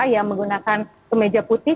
yang menggunakan kemeja putih